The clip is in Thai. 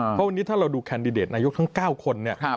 เพราะวันนี้ถ้าเราดูแคนดิเดตนายกทั้ง๙คนเนี่ย